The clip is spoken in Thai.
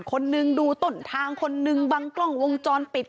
คนนึงดูต้นทางคนนึงบางกล้องวงจรปิด